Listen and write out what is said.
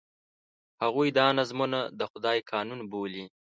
هغوی دا نظمونه د خدای قانون بولي.